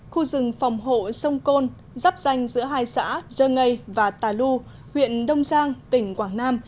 khu rừng phòng hộ sông côn dắp danh giữa hai xã dơ ngây và tà lu huyện đông giang tỉnh quảng nam